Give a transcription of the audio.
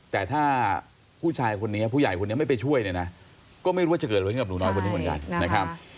แต่ถ้าผู้ชายคนนี้ผู้ใหญ่คนนี้ไม่ไปช่วยเนี่ยนะก็ไม่รู้ว่าจะเกิดอะไรขึ้นกับหนูน้อยคนนี้เหมือนกันนะครับ